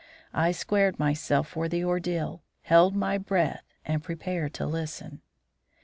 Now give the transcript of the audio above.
I squared myself for the ordeal, held my breath, and prepared to listen.